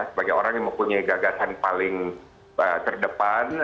sebagai orang yang mempunyai gagasan paling terdepan